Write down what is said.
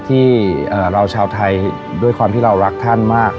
ที่เราชาวไทยด้วยความที่เรารักท่านมาก